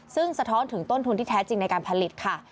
ซึ่งสะท้อนถึงต้นทุนที่แท้จริงในการผลิตค่ะ